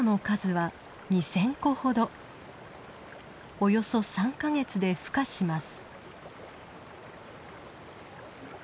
およそ３か月でふ化します。